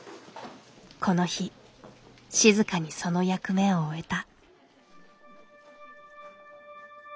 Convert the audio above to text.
この日静かにその役目を終えた。